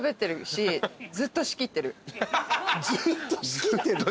ずっと仕切ってる。